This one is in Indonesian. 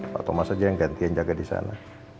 pak thomas aja yang gantian jaga di sana